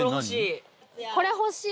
これ、欲しい。